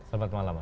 selamat malam mas